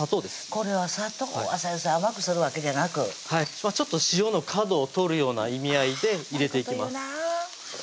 これは砂糖は先生甘くするわけじゃなくちょっと塩の角を取るような意味合いで入れていきます